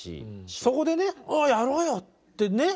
そこでねああやろうよってね。